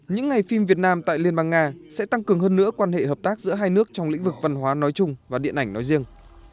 những ngày phim việt nam tại liên bang nga sẽ tăng cường hơn nữa quan hệ hợp tác giữa hai nước trong lĩnh vực văn hóa nói chung và điện ảnh nói riêng